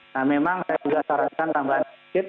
nah memang saya juga sarankan tambahan sedikit